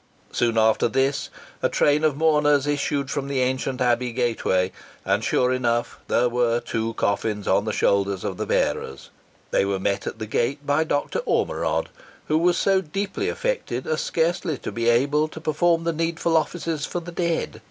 Soon after this, a train of mourners issued from the ancient Abbey gateway, and sure enough there were two coffins on the shoulders of the bearers; They were met at the gate by Doctor Ormerod, who was so deeply affected as scarcely to be able to perform the needful offices for the dead.